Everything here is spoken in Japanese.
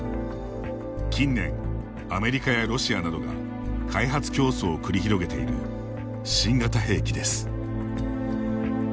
近年、アメリカやロシアなどが開発競争を繰り広げている新型兵器です。